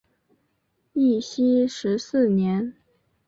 义熙十四年。